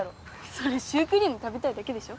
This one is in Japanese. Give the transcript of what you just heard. それシュークリーム食べたいだけでしょ。